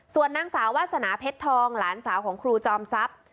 ส่วนนางสาววาสนาเพชรทองหลานสาวของครูจอมทรัพย์